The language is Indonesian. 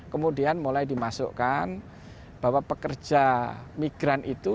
kemudian mulai dimasukkan bahwa pekerja migran itu